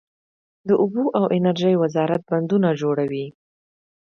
د اوبو او انرژۍ وزارت بندونه جوړوي